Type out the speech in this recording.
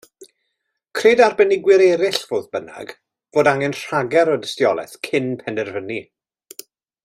Cred arbenigwyr eraill, fodd bynnag, fod angen rhagor o dystiolaeth cyn penderfynu.